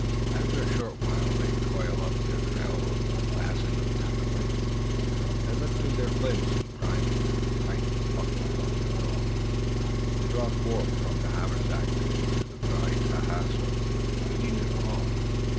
After a short while they coil up their trail ropes and fasten them to the rings. They look to their flints and priming, and tighten the buckles of their belts. They draw forth from their haversacks pieces of dry tasajo, eating it raw.